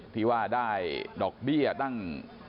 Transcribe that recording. ที่ว่าได้ดอกเบี้ยตั้ง